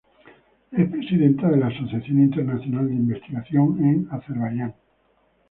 Es presidenta de la Asociación Internacional de Investigación en Azerbaiyán.